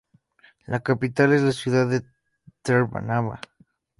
La capital es la ciudad de Trnava.